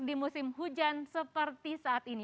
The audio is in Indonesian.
di musim hujan seperti saat ini